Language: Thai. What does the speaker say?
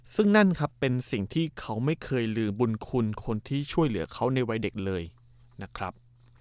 ซึ่งนั่นครับเป็นสิ่งที่เขาไม่เคยลืมบุญคุณคนที่ช่วยเหลือเขาในวัยเด็กเลยนะครับ